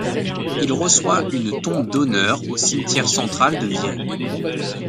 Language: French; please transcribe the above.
Il reçoit une tombe d'honneur au cimetière central de Vienne.